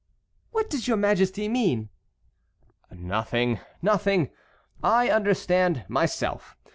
"What does your Majesty mean?" "Nothing, nothing; I understand myself.